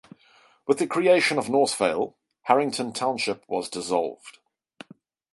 With the creation of Northvale, Harrington Township was dissolved.